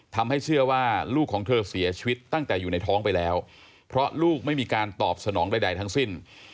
ทำให้เชื่อว่าลูกของเธอเสียชีวิตตั้งแต่อยู่ในท้องไปแล้วเพราะลูกไม่มีการตอบสนองใดทั้งสิ้น